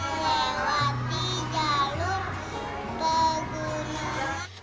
lewati jalur kegunaan